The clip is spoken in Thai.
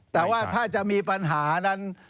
แต่ว่าถ้าจะมีปัญหานั้น